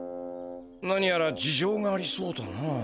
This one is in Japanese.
何やらじじょうがありそうだな。